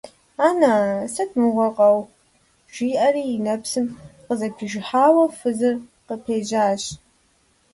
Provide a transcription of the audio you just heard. - Ана-а, сыт мыгъуэр къэухъу? - жиӀэри и нэпсым къызэпижыхьауэ фызыр къыпежьащ.